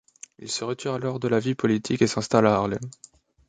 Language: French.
Il se retire alors de la vie politique et s'installe à Haarlem.